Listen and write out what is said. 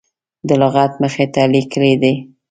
د لغت مخې ته لیکلي دي.